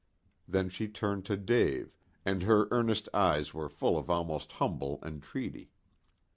Then she turned to Dave, and her earnest eyes were full of almost humble entreaty.